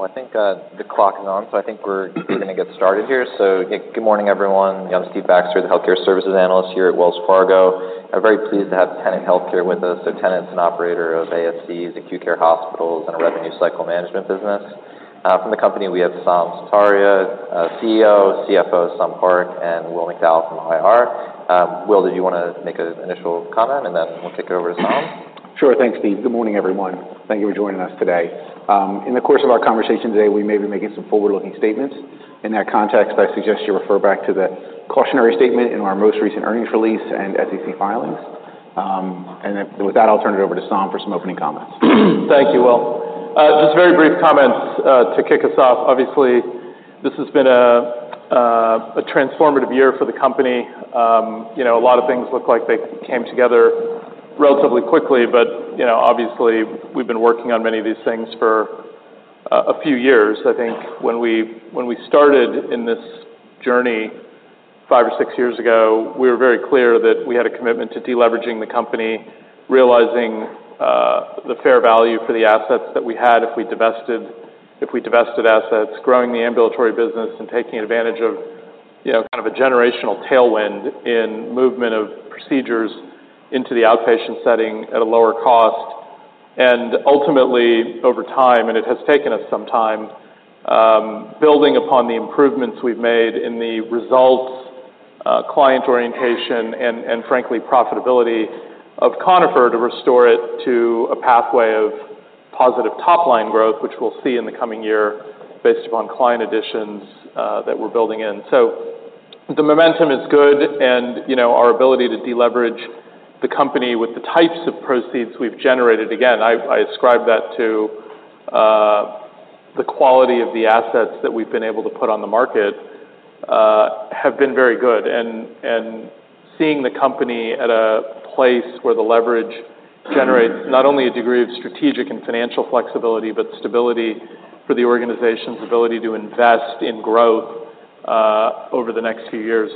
I think, the clock is on, so I think we're gonna get started here. Good morning, everyone. I'm Steve Baxter, the Healthcare Services analyst here at Wells Fargo. I'm very pleased to have Tenet Healthcare with us. So Tenet's an operator of ASCs, acute care hospitals, and a revenue cycle management business. From the company, we have Saum Sutaria, CEO, CFO, Sun Park, and Will McDowell from IR. Will, did you wanna make an initial comment, and then we'll kick it over to Saum? Sure. Thanks, Steve. Good morning, everyone. Thank you for joining us today. In the course of our conversation today, we may be making some forward-looking statements. In that context, I suggest you refer back to the cautionary statement in our most recent earnings release and SEC filings. And then with that, I'll turn it over to Saum for some opening comments. Thank you, Will. Just very brief comments to kick us off. Obviously, this has been a transformative year for the company. You know, a lot of things look like they came together relatively quickly, but, you know, obviously, we've been working on many of these things for a few years. I think when we started in this journey five or six years ago, we were very clear that we had a commitment to deleveraging the company, realizing the fair value for the assets that we had if we divested assets, growing the ambulatory business, and taking advantage of, you know, kind of a generational tailwind in movement of procedures into the outpatient setting at a lower cost. And ultimately, over time, and it has taken us some time, building upon the improvements we've made in the results, client orientation, and frankly, profitability of Conifer to restore it to a pathway of positive top-line growth, which we'll see in the coming year, based upon client additions that we're building in. So the momentum is good, and, you know, our ability to deleverage the company with the types of proceeds we've generated, again, I ascribe that to the quality of the assets that we've been able to put on the market have been very good. And seeing the company at a place where the leverage generates not only a degree of strategic and financial flexibility, but stability for the organization's ability to invest in growth over the next few years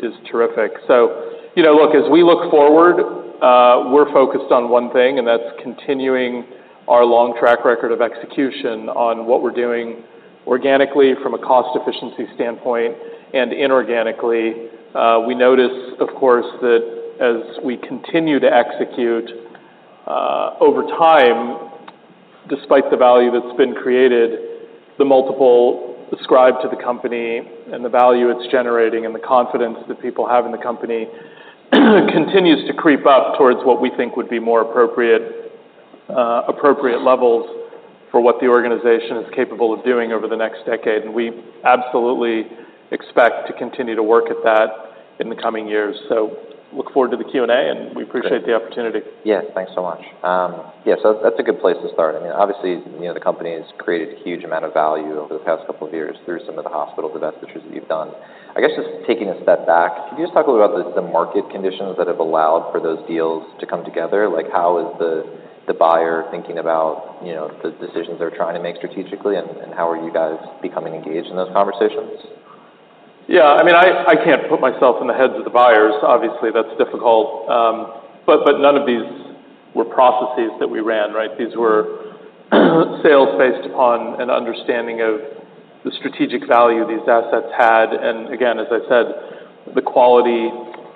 is terrific. So, you know, look, as we look forward, we're focused on one thing, and that's continuing our long track record of execution on what we're doing organically from a cost efficiency standpoint and inorganically. We noticed, of course, that as we continue to execute, over time, despite the value that's been created, the multiple ascribed to the company and the value it's generating and the confidence that people have in the company, continues to creep up towards what we think would be more appropriate, appropriate levels for what the organization is capable of doing over the next decade. And we absolutely expect to continue to work at that in the coming years. So look forward to the Q&A, and we appreciate the opportunity. Yes, thanks so much. Yeah, so that's a good place to start. I mean, obviously, you know, the company has created a huge amount of value over the past couple of years through some of the hospital divestitures that you've done. I guess just taking a step back, can you just talk a little about the market conditions that have allowed for those deals to come together? Like, how is the buyer thinking about, you know, the decisions they're trying to make strategically, and how are you guys becoming engaged in those conversations? Yeah, I mean, I can't put myself in the heads of the buyers. Obviously, that's difficult. But none of these were processes that we ran, right? These were sales based upon an understanding of the strategic value these assets had, and again, as I said, the quality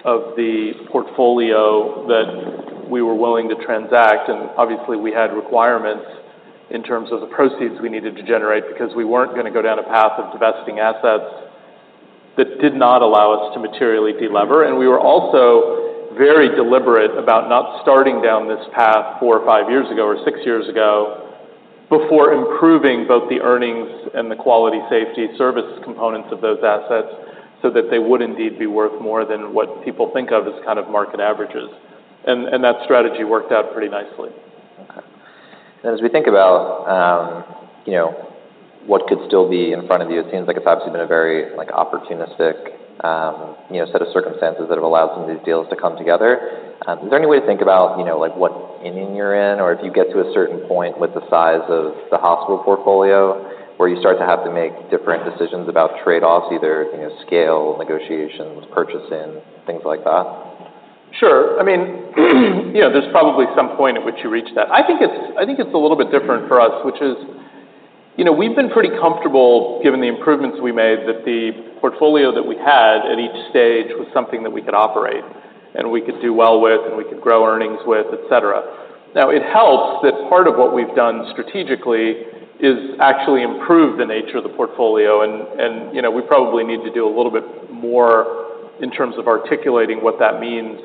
of the portfolio that we were willing to transact. And obviously, we had requirements in terms of the proceeds we needed to generate because we weren't gonna go down a path of divesting assets that did not allow us to materially delever. And we were also very deliberate about not starting down this path four or five years ago or six years ago before improving both the earnings and the quality, safety, service components of those assets, so that they would indeed be worth more than what people think of as kind of market averages. That strategy worked out pretty nicely. Okay. And as we think about, you know, what could still be in front of you, it seems like it's obviously been a very, like, opportunistic, you know, set of circumstances that have allowed some of these deals to come together. Is there any way to think about, you know, like, what inning you're in, or if you get to a certain point with the size of the hospital portfolio, where you start to have to make different decisions about trade-offs, either, you know, scale, negotiations, purchasing, things like that? Sure. I mean, you know, there's probably some point at which you reach that. I think it's a little bit different for us, which is, you know, we've been pretty comfortable, given the improvements we made, that the portfolio that we had at each stage was something that we could operate and we could do well with, and we could grow earnings with, et cetera. Now, it helps that part of what we've done strategically is actually improve the nature of the portfolio, and, you know, we probably need to do a little bit more in terms of articulating what that means,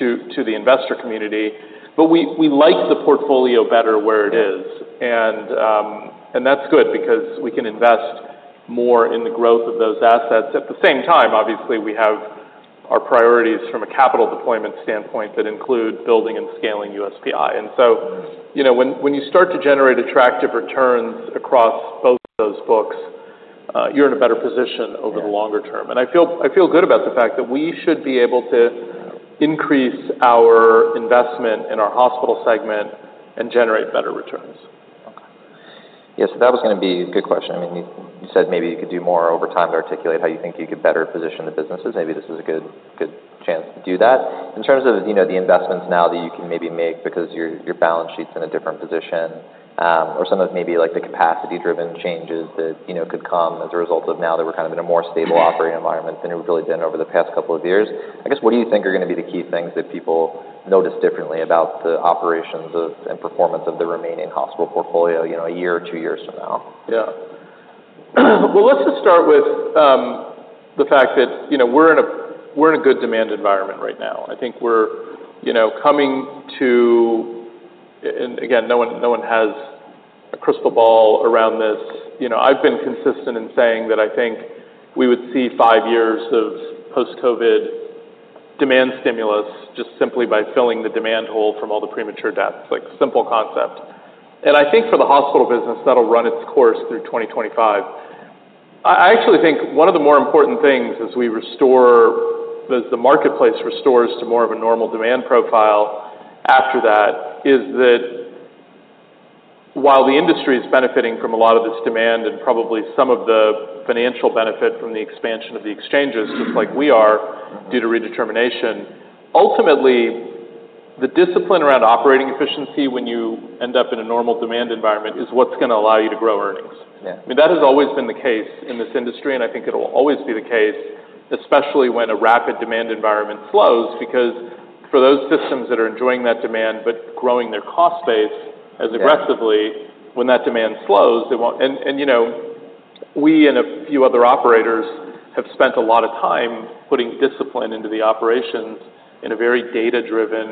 to, to the investor community. But we, we like the portfolio better where it is, and, and that's good because we can invest more in the growth of those assets. At the same time, obviously, we have our priorities from a capital deployment standpoint that include building and scaling USPI. And so, you know, when you start to generate attractive returns across both those books, you're in a better position. Yeah Over the longer term. And I feel, I feel good about the fact that we should be able to increase our investment in our hospital segment and generate better returns. Yes, so that was gonna be a good question. I mean, you said maybe you could do more over time to articulate how you think you could better position the businesses. Maybe this is a good chance to do that. In terms of, you know, the investments now that you can maybe make because your balance sheet's in a different position, or some of maybe, like, the capacity-driven changes that, you know, could come as a result of now that we're kind of in a more stable operating environment than it really been over the past couple of years. I guess, what do you think are gonna be the key things that people notice differently about the operations of, and performance of the remaining hospital portfolio, you know, a year or two years from now? Yeah. Well, let's just start with the fact that, you know, we're in a good demand environment right now. I think we're, you know, coming to. And, again, no one has a crystal ball around this. You know, I've been consistent in saying that I think we would see five years of post-COVID demand stimulus just simply by filling the demand hole from all the premature deaths, like, simple concept. And I think for the hospital business, that'll run its course through 2025. I actually think one of the more important things as the marketplace restores to more of a normal demand profile after that, is that while the industry is benefiting from a lot of this demand and probably some of the financial benefit from the expansion of the exchanges, just like we are, due to redetermination, ultimately, the discipline around operating efficiency when you end up in a normal demand environment is what's gonna allow you to grow earnings. Yeah. I mean, that has always been the case in this industry, and I think it'll always be the case, especially when a rapid demand environment slows, because for those systems that are enjoying that demand, but growing their cost base as aggressively. Yeah When that demand slows, they won't. And, you know, we and a few other operators have spent a lot of time putting discipline into the operations in a very data-driven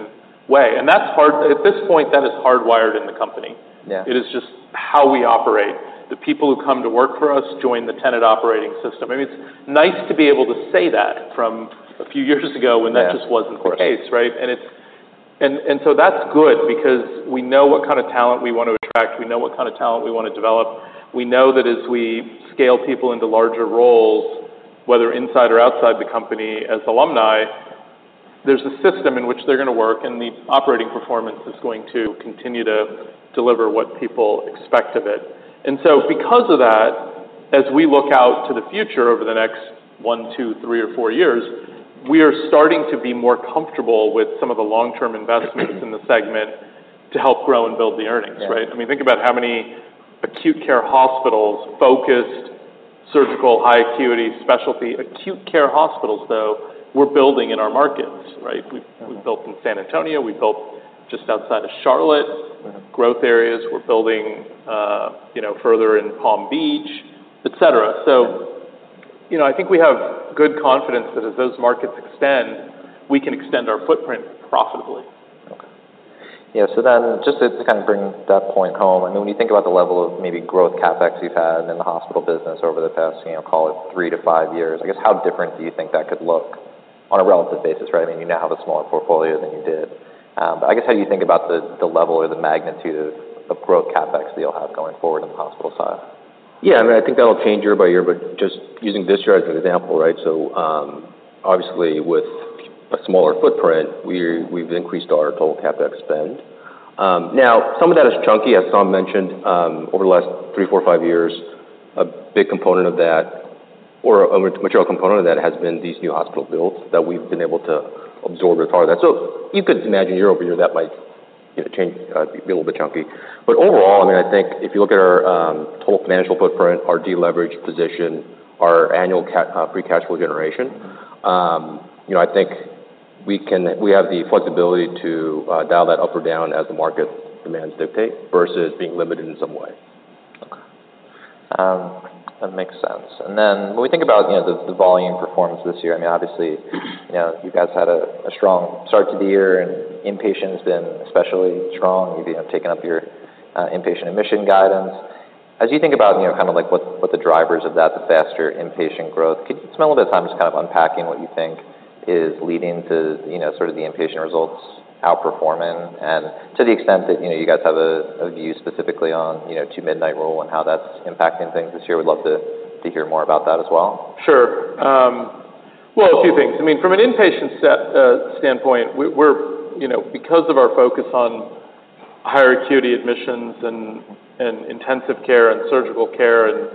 way, and that's hard. At this point, that is hardwired in the company. Yeah. It is just how we operate. The people who come to work for us join the Tenet operating system. I mean, it's nice to be able to say that from a few years ago. Yeah When that just wasn't the case, right? And it's, and so that's good because we know what kind of talent we want to attract, we know what kind of talent we want to develop, we know that as we scale people into larger roles, whether inside or outside the company as alumni, there's a system in which they're gonna work, and the operating performance is going to continue to deliver what people expect of it. And so because of that, as we look out to the future over the next one, two, three, or four years, we are starting to be more comfortable with some of the long-term investments in the segment to help grow and build the earnings, right? Yeah. I mean, think about how many acute care hospitals, focused surgical, high acuity, specialty acute care hospitals, though, we're building in our markets, right? We've built in San Antonio. We've built just outside of Charlotte. Growth areas, we're building, you know, further in Palm Beach, etc. Yeah. So, you know, I think we have good confidence that as those markets extend, we can extend our footprint profitably. Okay. Yeah, so then just to kind of bring that point home, I know when you think about the level of maybe growth CapEx you've had in the hospital business over the past, you know, call it three to five years, I guess, how different do you think that could look on a relative basis, right? I mean, you now have a smaller portfolio than you did. But I guess how you think about the level or the magnitude of growth CapEx that you'll have going forward on the hospital side? Yeah, I mean, I think that'll change year by year, but just using this year as an example, right? So, obviously, with a smaller footprint, we've increased our total CapEx spend. Now, some of that is chunky, as Saum mentioned, over the last three, four, five years, a big component of that or a material component of that has been these new hospital builds that we've been able to absorb as part of that. So you could imagine year over year, that might, you know, change, be a little bit chunky. But overall, I mean, I think if you look at our total financial footprint, our deleverage position, our annual free cash flow generation, you know, I think we have the flexibility to dial that up or down as the market demands dictate, versus being limited in some way. Okay. That makes sense. And then when we think about, you know, the volume performance this year, I mean, obviously, you know, you guys had a strong start to the year, and inpatient has been especially strong. You've, you know, taken up your inpatient admission guidance. As you think about, you know, kind of like what the drivers of that, the faster inpatient growth, could you spend a little bit of time just kind of unpacking what you think is leading to, you know, sort of the inpatient results outperforming? And to the extent that, you know, you guys have a view specifically on, you know, two-midnight rule and how that's impacting things this year, we'd love to hear more about that as well. Sure. Well, a few things. I mean, from an inpatient setting standpoint, we're you know, because of our focus on higher acuity admissions and intensive care and surgical care and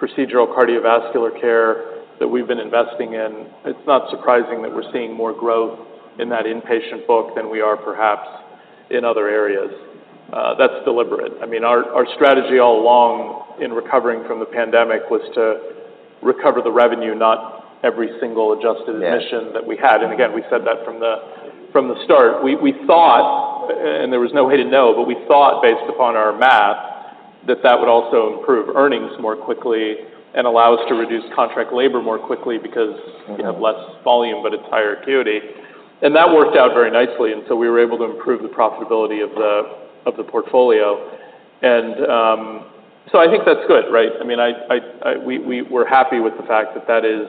procedural cardiovascular care that we've been investing in, it's not surprising that we're seeing more growth in that inpatient book than we are perhaps in other areas. That's deliberate. I mean, our strategy all along in recovering from the pandemic was to recover the revenue, not every single adjusted. Yeah Admission that we had, and again, we said that from the start. We thought, and there was no way to know, but we thought, based upon our math, that that would also improve earnings more quickly and allow us to reduce contract labor more quickly because you have less volume, but it's higher acuity, and that worked out very nicely, and so we were able to improve the profitability of the portfolio. And, so I think that's good, right? I mean, we're happy with the fact that that is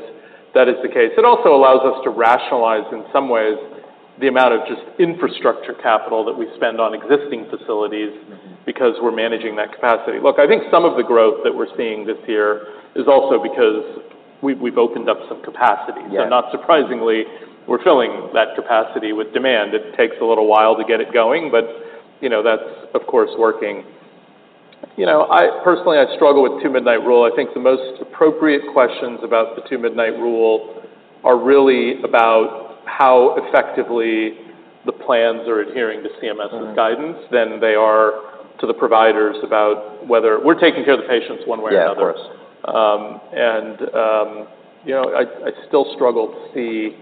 the case. It also allows us to rationalize, in some ways, the amount of just infrastructure capital that we spend on existing facilities. Because we're managing that capacity. Look, I think some of the growth that we're seeing this year is also because we've opened up some capacity. Yeah. So not surprisingly, we're filling that capacity with demand. It takes a little while to get it going, but, you know, that's, of course, working. You know, I personally, I struggle with Two Midnight Rule. I think the most appropriate questions about the Two Midnight Rule are really about how effectively the plans are adhering to CMS's guidance than they are to the providers about whether, we're taking care of the patients one way or another. Yeah, of course. You know, I still struggle to see,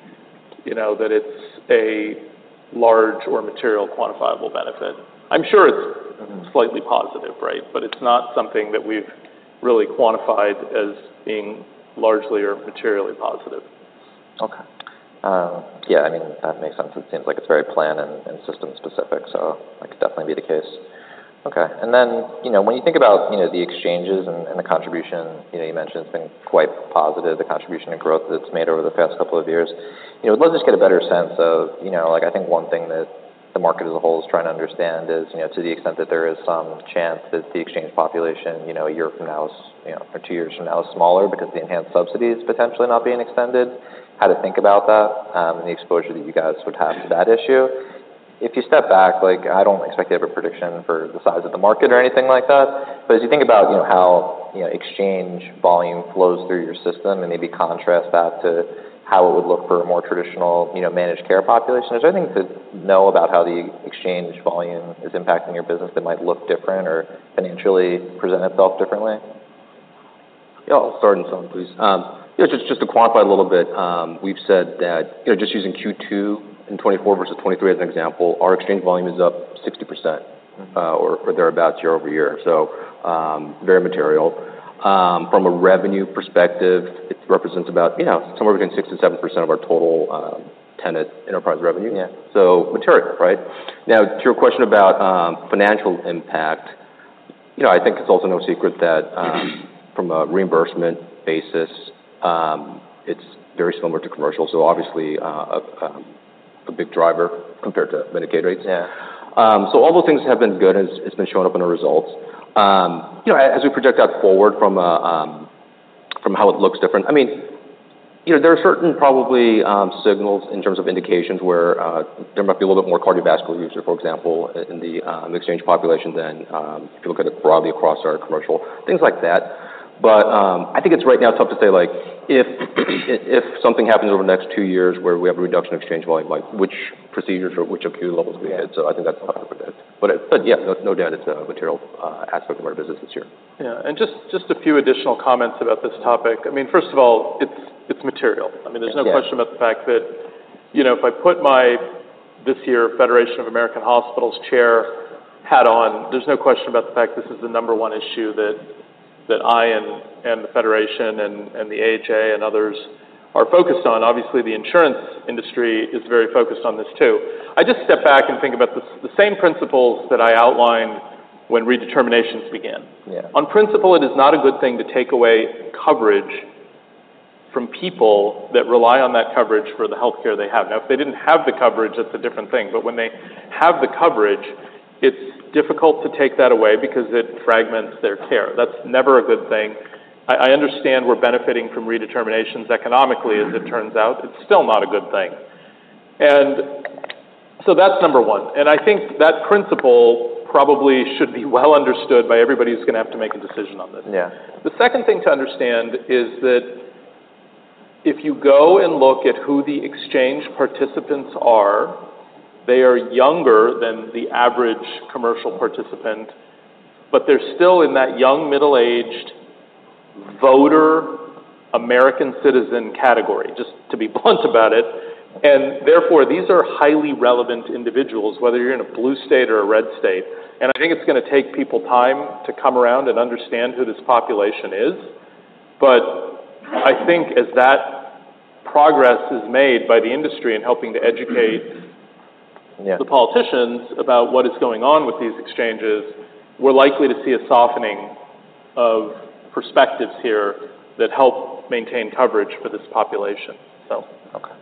you know, that it's a large or material quantifiable benefit. I'm sure it's slightly positive, right? But it's not something that we've really quantified as being largely or materially positive. Okay. Yeah, I mean, that makes sense. It seems like it's very plan- and system-specific, so that could definitely be the case. Okay. And then, you know, when you think about, you know, the exchanges and the contribution, you know, you mentioned it's been quite positive, the contribution and growth that's made over the past couple of years. You know, let's just get a better sense of, you know. Like, I think one thing that the market as a whole is trying to understand is, you know, to the extent that there is some chance that the exchange population, you know, a year from now is, you know, or two years from now, is smaller because the enhanced subsidy is potentially not being extended, how to think about that and the exposure that you guys would have to that issue? If you step back, like, I don't expect you to have a prediction for the size of the market or anything like that, but as you think about, you know, how, you know, exchange volume flows through your system and maybe contrast that to how it would look for a more traditional, you know, managed care population, is there anything to know about how the exchange volume is impacting your business that might look different or financially present itself differently? Yeah, I'll start and someone, please. Yeah, just to quantify a little bit, we've said that, you know, just using Q2 in 2024 versus 2023 as an example, our exchange volume is up 60% or thereabout year over year, so, very material. From a revenue perspective, it represents about, you know, somewhere between 6% to 7% of our total, Tenet enterprise revenue. Yeah. So material, right? Now, to your question about financial impact, you know, I think it's also no secret that from a reimbursement basis, it's very similar to commercial, so obviously a big driver compared to Medicaid rates. Yeah. So all those things have been good, and it's been showing up in our results. You know, as we project out forward from how it looks different, I mean, you know, there are certain probably signals in terms of indications where there might be a little bit more cardiovascular use, for example, in the exchange population than if you look at it broadly across our commercial, things like that. But I think right now it's tough to say, like, if something happens over the next two years where we have a reduction of exchange volume, like, which procedures or which acuity levels we had. So I think that's hard to predict. But yeah, there's no doubt it's a material aspect of our business this year. Yeah, and just a few additional comments about this topic. I mean, first of all, it's material. Yeah. I mean, there's no question about the fact that, you know, if I put my, this year, Federation of American Hospitals chair hat on, there's no question about the fact this is the number one issue that I and the Federation and the AHA and others are focused on. Obviously, the insurance industry is very focused on this too. I just step back and think about the same principles that I outlined when redeterminations began. Yeah. On principle, it is not a good thing to take away coverage from people that rely on that coverage for the healthcare they have. Now, if they didn't have the coverage, that's a different thing, but when they have the coverage, it's difficult to take that away because it fragments their care. That's never a good thing. I understand we're benefiting from redeterminations economically, as it turns out it's still not a good thing, and so that's number one, and I think that principle probably should be well understood by everybody who's gonna have to make a decision on this. Yeah. The second thing to understand is that if you go and look at who the exchange participants are, they are younger than the average commercial participant, but they're still in that young, middle-aged voter, American citizen category, just to be blunt about it. And therefore, these are highly relevant individuals, whether you're in a blue state or a red state. And I think it's gonna take people time to come around and understand who this population is. But I think as that progress is made by the industry in helping to educate. Yeah The politicians about what is going on with these exchanges, we're likely to see a softening of perspectives here that help maintain coverage for this population, so. Okay.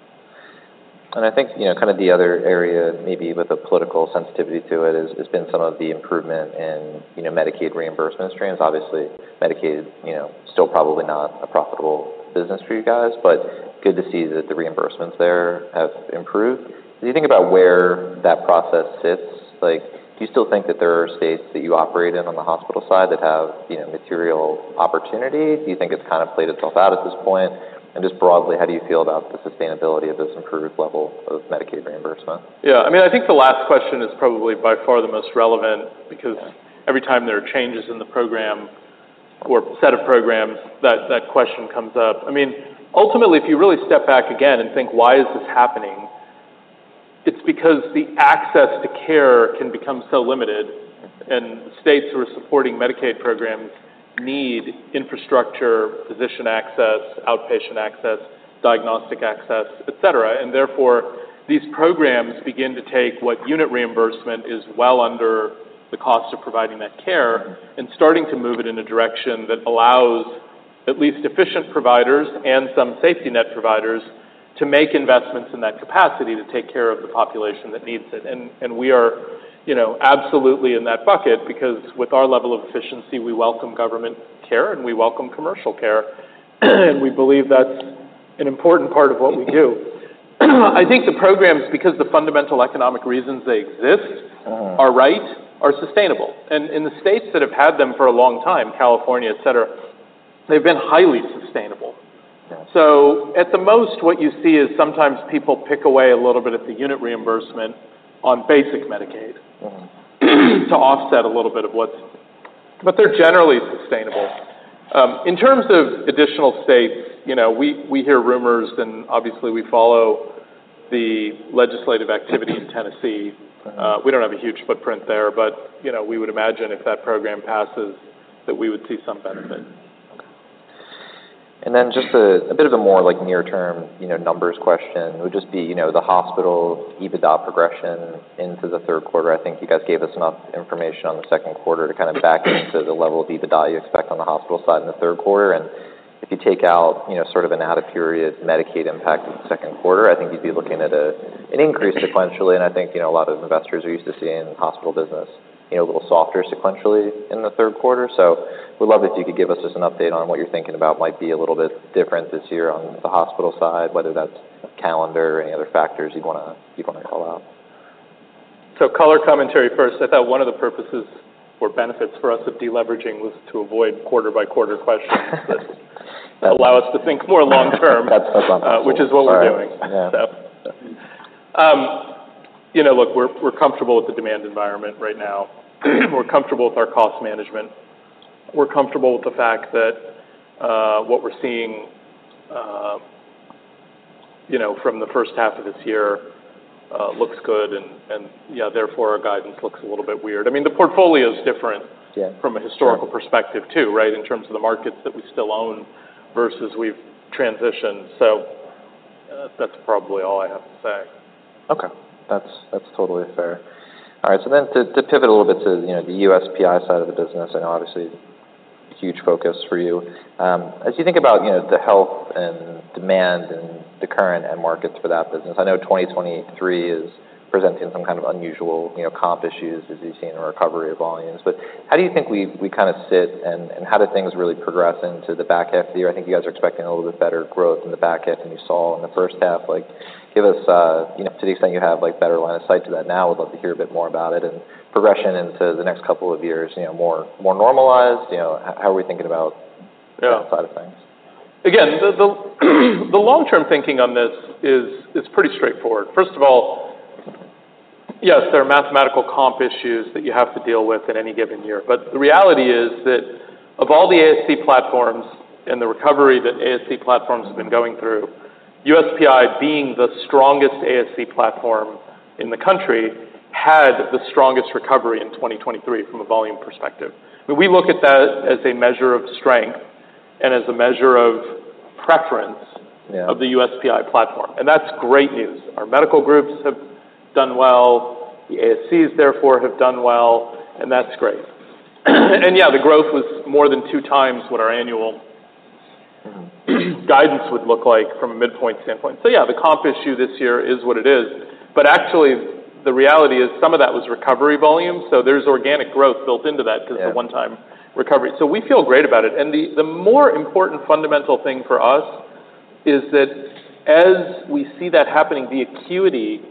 And I think, you know, kind of the other area, maybe with a political sensitivity to it, is, has been some of the improvement in, you know, Medicaid reimbursement streams. Obviously, Medicaid, you know, still probably not a profitable business for you guys, but good to see that the reimbursements there have improved. As you think about where that process sits, like, do you still think that there are states that you operate in on the hospital side that have, you know, material opportunity? Do you think it's kind of played itself out at this point? And just broadly, how do you feel about the sustainability of this improved level of Medicaid reimbursement? Yeah, I mean, I think the last question is probably by far the most relevant. Yeah Because every time there are changes in the program or set of programs, that, that question comes up. I mean, ultimately, if you really step back again and think, "Why is this happening?" It's because the access to care can become so limited, and states who are supporting Medicaid programs need infrastructure, physician access, outpatient access, diagnostic access, etc. And therefore, these programs begin to take what unit reimbursement is well under the cost of providing that care and starting to move it in a direction that allows at least efficient providers and some safety net providers to make investments in that capacity to take care of the population that needs it. And we are, you know, absolutely in that bucket, because with our level of efficiency, we welcome government care, and we welcome commercial care, and we believe that's an important part of what we do. I think the programs, because the fundamental economic reasons they exist are right, are sustainable, and in the states that have had them for a long time, California, etc, they've been highly sustainable. Yeah. So at the most, what you see is sometimes people pick away a little bit at the unit reimbursement on basic Medicaid to offset a little bit of what's. But they're generally sustainable. In terms of additional states, you know, we hear rumors, and obviously, we follow the legislative activity in Tennessee. We don't have a huge footprint there, but, you know, we would imagine if that program passes, that we would see some benefit. Okay. And then just a bit of a more like near-term, you know, numbers question, would just be, you know, the hospital EBITDA progression into the third quarter. I think you guys gave us enough information on the second quarter to kind of back into the level of EBITDA you expect on the hospital side in the third quarter. And if you take out, you know, sort of an out-of-period Medicaid impact in the second quarter, I think you'd be looking at an increase sequentially. And I think, you know, a lot of investors are used to seeing hospital business, you know, a little softer sequentially in the third quarter. So, would love if you could give us just an update on what you're thinking about might be a little bit different this year on the hospital side, whether that's calendar or any other factors you wanna call out. So, color commentary first. I thought one of the purposes or benefits for us of deleveraging was to avoid quarter-by-quarter questions that allow us to think more long term. That's absolutely. Which is what we're doing. Yeah. You know, look, we're comfortable with the demand environment right now. We're comfortable with our cost management. We're comfortable with the fact that what we're seeing, you know, from the first half of this year, looks good, and yeah, therefore, our guidance looks a little bit weird. I mean, the portfolio is different- Yeah From a historical perspective, too, right? In terms of the markets that we still own versus we've transitioned. So, that's probably all I have to say. Okay. That's, that's totally fair. All right, so then to pivot a little bit to, you know, the USPI side of the business, and obviously, huge focus for you. As you think about, you know, the health and demand and the current end markets for that business, I know 2023 is presenting some kind of unusual, you know, comp issues as you've seen in recovery of volumes. But how do you think we kinda sit, and how do things really progress into the back half of the year? I think you guys are expecting a little bit better growth in the back half than you saw in the first half. Like, give us, you know, to the extent you have, like, better line of sight to that now. I'd love to hear a bit more about it, and progression into the next couple of years, you know, more normalized. You know, how are we thinking about- Yeah That side of things? Again, the long-term thinking on this is, it's pretty straightforward. First of all, yes, there are mathematical comp issues that you have to deal with at any given year. But the reality is that of all the ASC platforms and the recovery that ASC platforms have been going through, USPI being the strongest ASC platform in the country, had the strongest recovery in 2023 from a volume perspective. We look at that as a measure of strength and as a measure of preference. Yeah Of the USPI platform, and that's great news. Our medical groups have done well. The ASCs, therefore, have done well, and that's great. And yeah, the growth was more than two times what our annual guidance would look like from a midpoint standpoint. So yeah, the comp issue this year is what it is. But actually, the reality is some of that was recovery volume, so there's organic growth built into that. Yeah Just a one-time recovery. So we feel great about it. And the more important fundamental thing for us is that as we see that happening, the acuity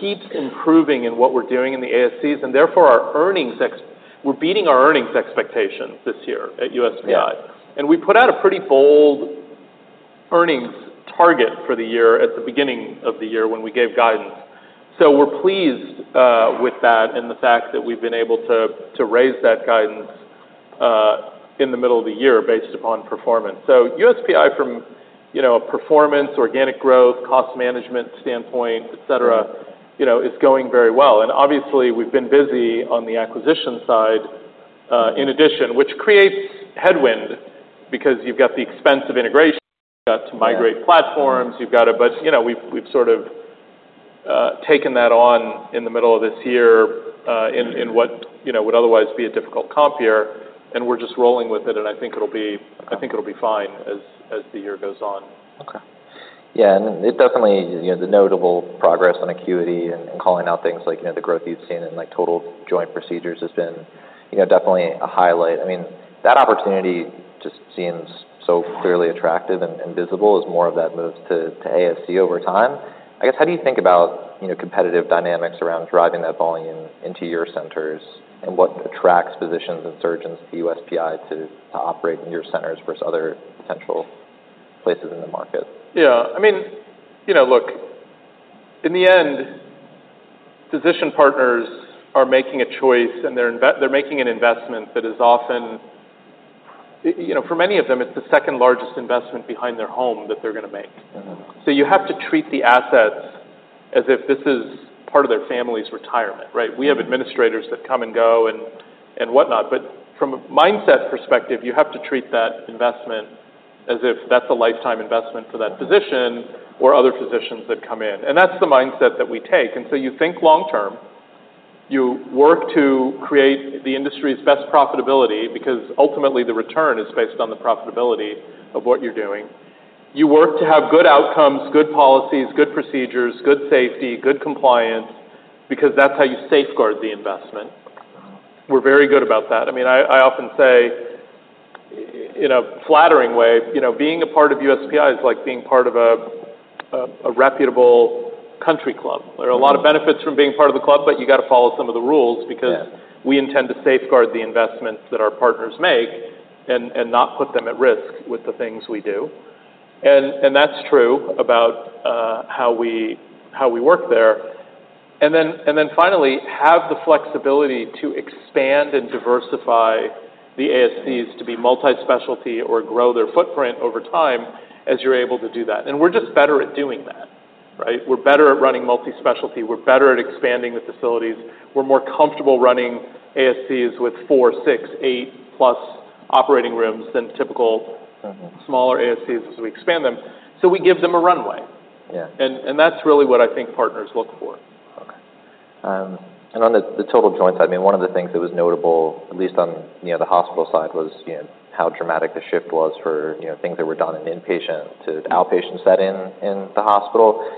keeps improving in what we're doing in the ASCs, and therefore, our earnings, we're beating our earnings expectations this year at USPI. Yeah. We put out a pretty bold earnings target for the year at the beginning of the year when we gave guidance. So we're pleased with that and the fact that we've been able to raise that guidance in the middle of the year based upon performance. So USPI, from you know a performance, organic growth, cost management standpoint, etc. you know, is going very well. And obviously, we've been busy on the acquisition side, in addition, which creates headwind because you've got the expense of integration, you've got to migrate. Yeah Platforms, you've got to. But, you know, we've sort of taken that on in the middle of this year, in what, you know, would otherwise be a difficult comp year, and we're just rolling with it, and I think it'll be fine as the year goes on. Okay. Yeah, and it definitely, you know, the notable progress on acuity and, and calling out things like, you know, the growth you've seen in, like, total joint procedures has been, you know, definitely a highlight. I mean, that opportunity just seems so clearly attractive and, and visible as more of that moves to, to ASC over time. I guess, how do you think about, you know, competitive dynamics around driving that volume into your centers, and what attracts physicians and surgeons to USPI to, to operate in your centers versus other potential places in the market? Yeah. I mean, you know, look, in the end, physician partners are making a choice, and they're making an investment that is often, you know, for many of them, it's the second-largest investment behind their home that they're gonna make. So you have to treat the assets as if this is part of their family's retirement, right? We have administrators that come and go and whatnot, but from a mindset perspective, you have to treat that investment as if that's a lifetime investment for that physician. Or other physicians that come in, and that's the mindset that we take, and so you think long term, you work to create the industry's best profitability, because ultimately the return is based on the profitability of what you're doing. You work to have good outcomes, good policies, good procedures, good safety, good compliance, because that's how you safeguard the investment. We're very good about that. I mean, I often say, in a flattering way, you know, being a part of USPI is like being part of a reputable country club. There are a lot of benefits from being part of the club, but you got to follow some of the rules. Yeah. Because we intend to safeguard the investments that our partners make and not put them at risk with the things we do. And that's true about how we work there. And then finally, have the flexibility to expand and diversify the ASCs to be multi-specialty or grow their footprint over time as you're able to do that. And we're just better at doing that, right? We're better at running multi-specialty. We're better at expanding the facilities. We're more comfortable running ASCs with four, six, eight-plus operating rooms than typical smaller ASCs as we expand them, so we give them a runway. Yeah. That's really what I think partners look for. Okay. And on the total joints, I mean, one of the things that was notable, at least on, you know, the hospital side, was, you know, how dramatic the shift was for, you know, things that were done in inpatient to an outpatient setting in the hospital.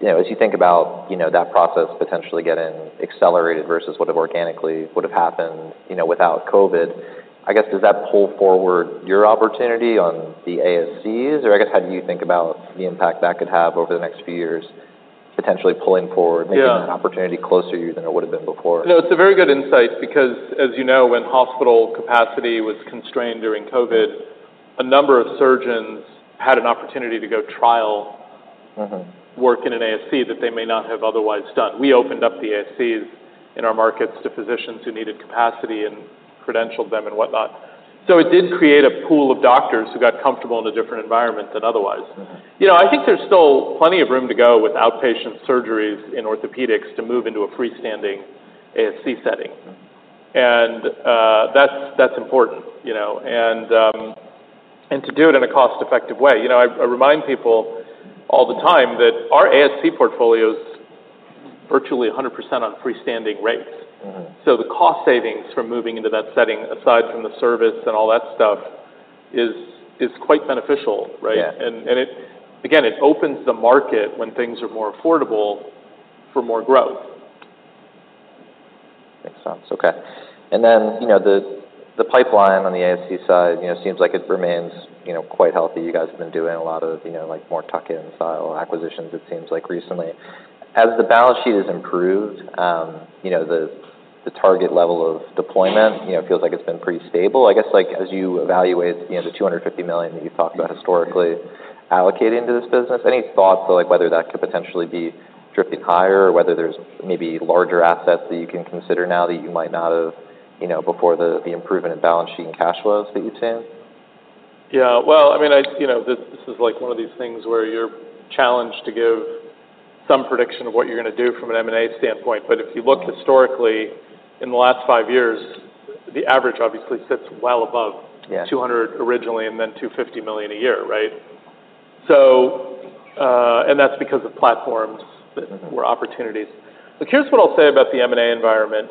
You know, as you think about, you know, that process potentially getting accelerated versus what organically would have happened, you know, without COVID, I guess, does that pull forward your opportunity on the ASCs? Or I guess, how do you think about the impact that could have over the next few years, potentially pulling forward. Yeah. Making that opportunity closer to you than it would have been before? No, it's a very good insight, because, as you know, when hospital capacity was constrained during COVID, a number of surgeons had an opportunity to go trial work in an ASC that they may not have otherwise done. We opened up the ASCs in our markets to physicians who needed capacity and credentialed them and whatnot. So it did create a pool of doctors who got comfortable in a different environment than otherwise. You know, I think there's still plenty of room to go with outpatient surgeries in orthopedics to move into a freestanding ASC setting. That's important, you know, and to do it in a cost-effective way. You know, I remind people all the time that our ASC portfolio is virtually 100% on freestanding rates. So the cost savings from moving into that setting, aside from the service and all that stuff, is quite beneficial, right? Yeah. Again, it opens the market when things are more affordable for more growth. Makes sense. Okay. And then, you know, the pipeline on the ASC side, you know, seems like it remains, you know, quite healthy. You guys have been doing a lot of, you know, like, more tuck-in style acquisitions, it seems like, recently. As the balance sheet has improved, you know, the target level of deployment, you know, feels like it's been pretty stable. I guess, like, as you evaluate, you know, the $250 million that you've talked about historically allocating to this business, any thoughts to, like, whether that could potentially be drifting higher or whether there's maybe larger assets that you can consider now that you might not have, you know, before the improvement in balance sheet and cash flows that you've seen? Yeah, well, I mean, you know, this, this is, like, one of these things where you're challenged to give some prediction of what you're going to do from an M&A standpoint. But if you look historically, in the last five years, the average obviously sits well above. Yeah $200 originally, and then $250 million a year, right? So, and that's because of platforms that were opportunities, but here's what I'll say about the M&A environment: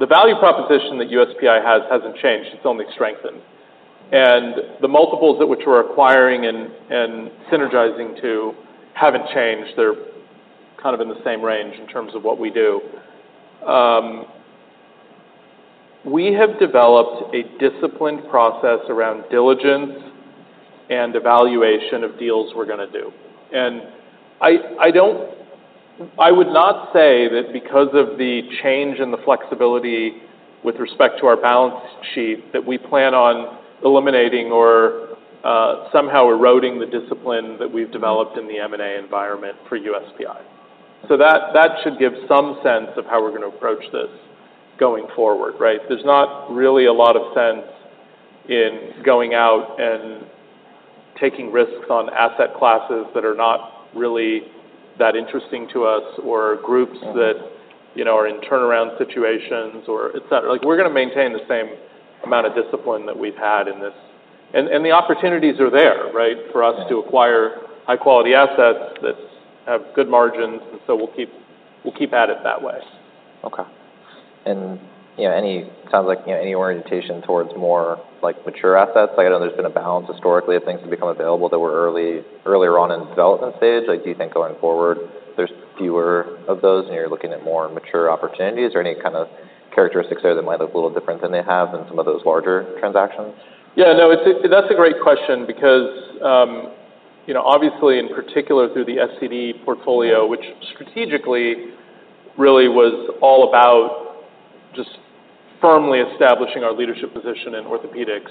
The value proposition that USPI has hasn't changed. It's only strengthened. And the multiples at which we're acquiring and synergizing to haven't changed. They're kind of in the same range in terms of what we do. We have developed a disciplined process around diligence and evaluation of deals we're going to do. And I don't. I would not say that because of the change in the flexibility with respect to our balance sheet, that we plan on eliminating or somehow eroding the discipline that we've developed in the M&A environment for USPI. So that should give some sense of how we're going to approach this going forward, right? There's not really a lot of sense in going out and taking risks on asset classes that are not really that interesting to us or groups that, you know, are in turnaround situations or et cetera. Like, we're going to maintain the same amount of discipline that we've had in this. And the opportunities are there, right? Yeah. For us to acquire high-quality assets that have good margins, and so we'll keep at it that way. Okay. And, you know, any sounds like, you know, any orientation towards more, like, mature assets? Like, I know there's been a balance historically of things have become available that were earlier on in the development stage. Like, do you think going forward, there's fewer of those, and you're looking at more mature opportunities? Or any kind of characteristics there that might look a little different than they have in some of those larger transactions? Yeah, no. That's a great question because, you know, obviously, in particular through the SCD portfolio. Yeah Which strategically really was all about just firmly establishing our leadership position in orthopedics.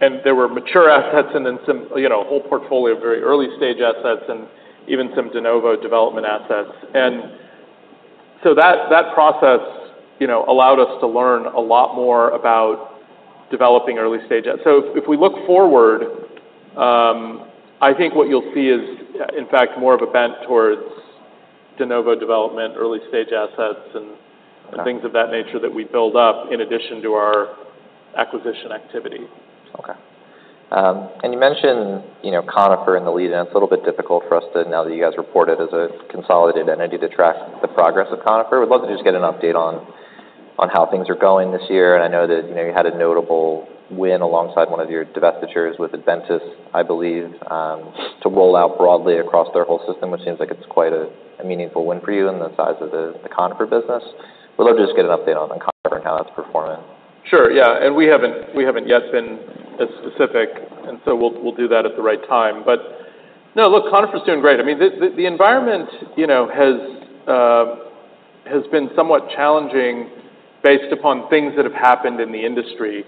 And there were mature assets and then some, you know, a whole portfolio of very early-stage assets and even some de novo development assets. And so that process, you know, allowed us to learn a lot more about developing early-stage assets, so if we look forward, I think what you'll see is, in fact, more of a bent towards de novo development, early-stage assets, and. Okay Things of that nature that we build up in addition to our acquisition activity. And you mentioned, you know, Conifer in the lead, and it's a little bit difficult for us to, now that you guys report it as a consolidated entity, to track the progress of Conifer. Would love to just get an update on how things are going this year. And I know that, you know, you had a notable win alongside one of your divestitures with Adventist, I believe, to roll out broadly across their whole system, which seems like it's quite a meaningful win for you in the size of the Conifer business. Would love to just get an update on the Conifer and how that's performing. Sure, yeah, and we haven't yet been as specific, and so we'll do that at the right time. But no, look, Conifer's doing great. I mean, the environment, you know, has been somewhat challenging based upon things that have happened in the industry,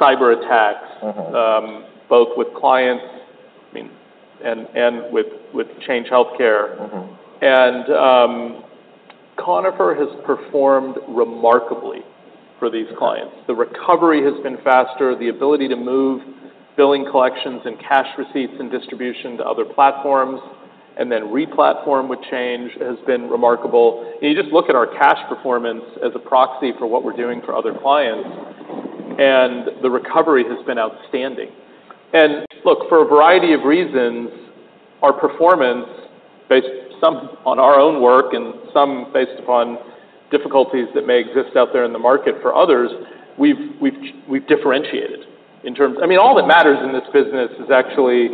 cyberattacks both with clients, I mean, and with Change Healthcare. Conifer has performed remarkably for these clients. The recovery has been faster, the ability to move billing collections and cash receipts and distribution to other platforms, and then re-platform with Change has been remarkable. You just look at our cash performance as a proxy for what we're doing for other clients, and the recovery has been outstanding. Look, for a variety of reasons, our performance, based some on our own work and some based upon difficulties that may exist out there in the market for others, we've differentiated in terms. I mean, all that matters in this business is actually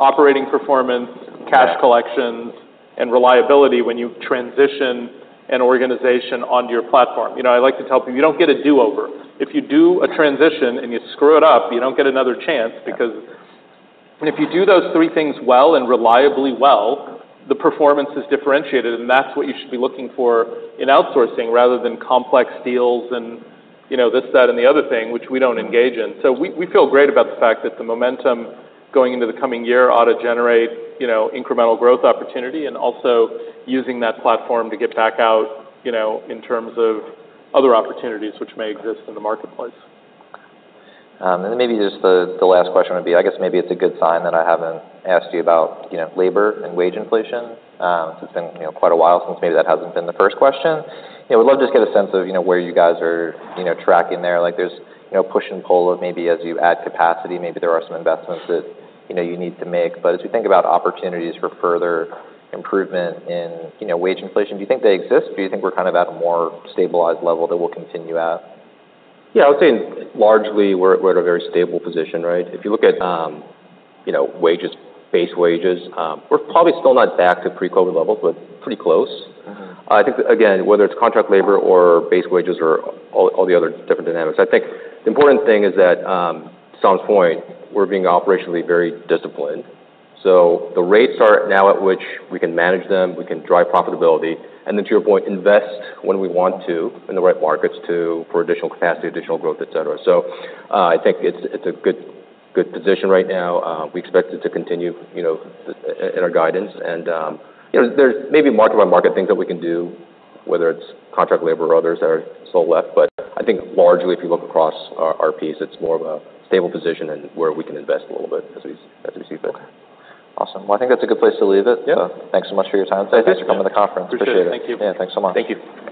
operating performance. Yeah Cash collections, and reliability when you transition an organization onto your platform. You know, I like to tell people, "You don't get a do-over." If you do a transition and you screw it up, you don't get another chance- Yeah And if you do those three things well and reliably well, the performance is differentiated, and that's what you should be looking for in outsourcing, rather than complex deals and, you know, this, that, and the other thing, which we don't engage in. So we feel great about the fact that the momentum going into the coming year ought to generate, you know, incremental growth opportunity, and also using that platform to get back out, you know, in terms of other opportunities which may exist in the marketplace. And then maybe just the last question would be, I guess maybe it's a good sign that I haven't asked you about, you know, labor and wage inflation, since it's been, you know, quite a while since maybe that hasn't been the first question. You know, would love to just get a sense of, you know, where you guys are, you know, tracking there. Like, there's, you know, push and pull of maybe as you add capacity, maybe there are some investments that, you know, you need to make. But as we think about opportunities for further improvement in, you know, wage inflation, do you think they exist, or do you think we're kind of at a more stabilized level that we'll continue at? Yeah, I would say largely, we're at a very stable position, right? If you look at, you know, wages, base wages, we're probably still not back to pre-COVID levels, but pretty close. I think, again, whether it's contract labor or base wages or all the other different dynamics, I think the important thing is that to some point, we're being operationally very disciplined. So the rates are now at which we can manage them, we can drive profitability, and then to your point, invest when we want to in the right markets to for additional capacity, additional growth, et cetera. So I think it's a good position right now. We expect it to continue, you know, in our guidance, and you know, there's maybe market-by-market things that we can do, whether it's contract labor or others that are still left, but I think largely, if you look across our piece, it's more of a stable position and where we can invest a little bit as we see fit. Okay. Awesome. Well, I think that's a good place to leave it. Yeah. Thanks so much for your time today. Okay. Thanks for coming to the conference. Appreciate it. Appreciate it. Thank you. Yeah, thanks so much. Thank you.